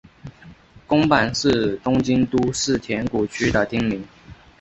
宫坂是东京都世田谷区的町名。